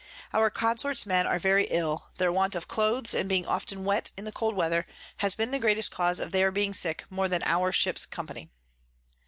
Our Consort's Men are very ill; their want of Clothes, and being often wet in the cold Weather, has been the greatest cause of their being more sick than our Ships Company.